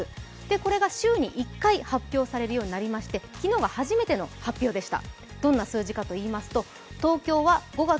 これが週に１回発表されるようになりまして昨日が初めての発表でした。